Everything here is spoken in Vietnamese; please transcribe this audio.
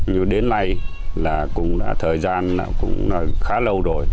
nhưng đến nay là cũng đã thời gian cũng khá lâu rồi